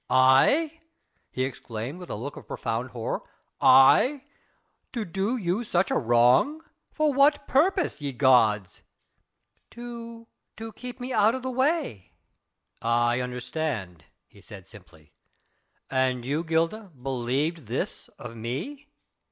"I?" he exclaimed with a look of profound horror. "I?... to do you such a wrong! For what purpose, ye gods?" "To ... to keep me out of the way...." "I understand," he said simply. "And you, Gilda, believed this of me?"